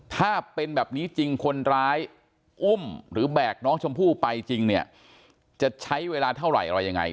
ถ้าเป็นแบบนี้จริงคนร้ายอุ้มหรือแบกน้องชมพู่ไปจริงเนี่ยจะใช้เวลาเท่าไหร่อะไรยังไง